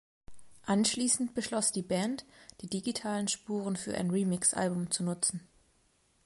Anschließend beschloss die Band, die digitalen Spuren für ein Remix-Album zu nutzen.